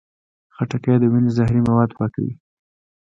خټکی د وینې زهري مواد پاکوي.